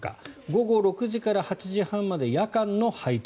午後６時から８時半まで夜間の配達。